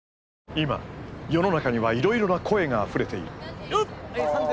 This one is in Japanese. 今世の中にはいろいろな声があふれている。